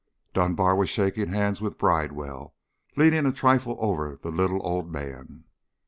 Dunbar was shaking hands with Bridewell, leaning a trifle over the little old man.